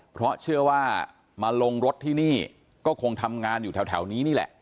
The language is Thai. เพราะเชื่อว่ามาลงรถที่นี่ก็คงทำงานอยู่แถวนี้นี่แหละ